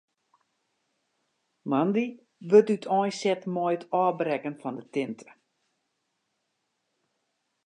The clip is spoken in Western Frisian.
Moandei wurdt úteinset mei it ôfbrekken fan de tinte.